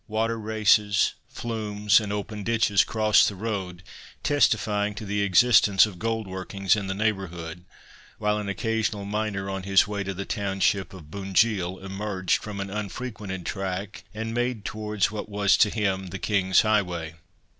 Water races, flumes, and open ditches crossed the road, testifying to the existence of gold workings in the neighbourhood, while an occasional miner on his way to the township of Bunjil emerged from an unfrequented track and made towards, what was to him, the King's Highway.